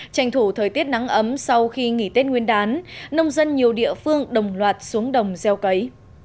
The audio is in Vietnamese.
tranh thủ thời tiết nắng ấm sau khi nghỉ tết nguyên đán nông dân nhiều địa phương đồng loạt xuống đồng gieo cấy